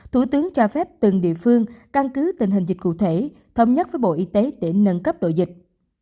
thủ tướng cho phép từng địa phương căn cứ tình hình dịch cụ thể thống nhất với bộ y tế để nâng cấp đội dịch